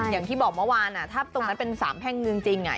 อย่างที่บอกเมื่อวานถ้าตรงนั้นเป็นสามแพ่งจริง